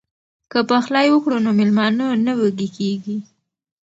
که پخلی وکړو نو میلمانه نه وږي کیږي.